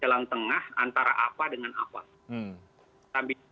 jalan tengah antara apa dengan apa